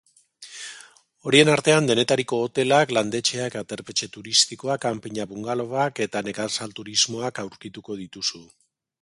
Horien artean, denetariko hotelak, landetxeak, aterpetxe turistikoak, kanpinak, bungalow-ak eta nekazalturismoak aurkituko dituzu.